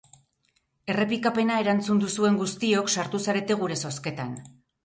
Errepikapena erantzun duzuen guztiok sartu zarete gure zozketan.